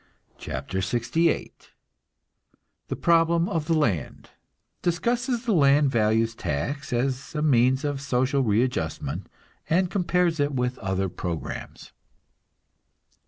CHAPTER LXVIII THE PROBLEM OF THE LAND (Discusses the land values tax as a means of social readjustment, and compares it with other programs.)